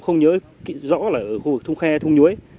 hoặc là khu vực thông khe thung nhuế